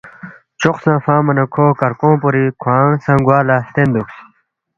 چوق سا فنگما نہ کھو کرکونگ پوری کھونگ گوا لہ ہلتین دُوکس